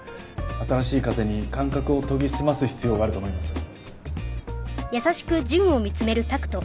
新しい風に感覚を研ぎ澄ます必要があると思いますよ。